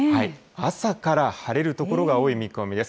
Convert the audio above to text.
朝から晴れる所が多い見込みです。